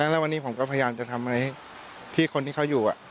แล้ววันนี้ผมก็พยายามจะทำให้พี่คนที่เขาอยู่